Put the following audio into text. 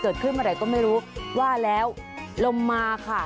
ขึ้นเมื่อไหร่ก็ไม่รู้ว่าแล้วลมมาค่ะ